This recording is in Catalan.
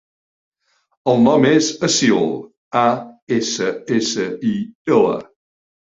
El nom és Assil: a, essa, essa, i, ela.